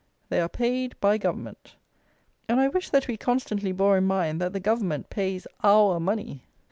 They are paid "by Government;" and I wish that we constantly bore in mind that the "Government" pays our money.